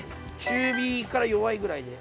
中火から弱いぐらいで。